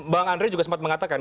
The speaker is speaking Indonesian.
bang andre juga sempat mengatakan